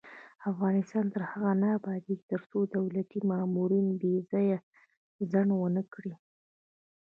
افغانستان تر هغو نه ابادیږي، ترڅو دولتي مامورین بې ځایه ځنډ ونه کړي.